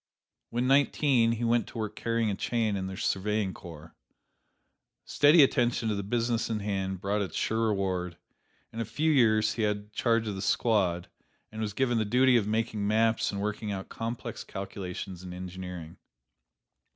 When nineteen he went to work carrying a chain in a surveying corps. Steady attention to the business in hand brought its sure reward, and in a few years he had charge of the squad, and was given the duty of making maps and working out complex calculations in engineering.